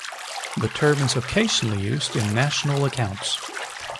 The term is occasionally used in national accounts.